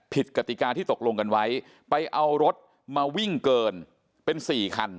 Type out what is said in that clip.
กติกาที่ตกลงกันไว้ไปเอารถมาวิ่งเกินเป็น๔คัน